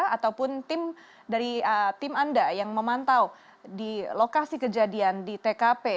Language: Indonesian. ataupun tim dari tim anda yang memantau di lokasi kejadian di tkp